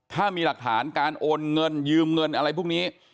ถ้ามีหลักฐานการโอนเงินยืมเงินอะไรพวกนี้